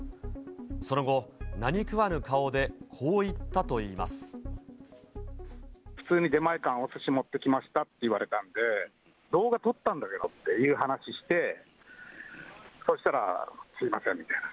その後、何食わぬ顔で、普通に出前館、おすし持ってきましたって言われたんで、動画撮ったんだけど！っていう話して、そしたら、すみませんみたいな。